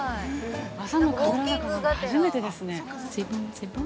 朝の神楽坂なんて、初めてですね。